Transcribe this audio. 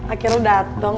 akhirnya udah dateng